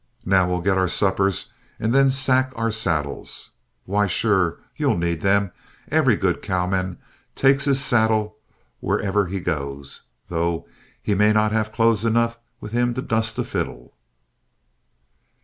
Now, we'll get our suppers and then sack our saddles why, sure, you'll need them; every good cowman takes his saddle wherever he goes, though he may not have clothes enough with him to dust a fiddle."